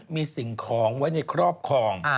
มีสิ่งของไว้ในครอบครอง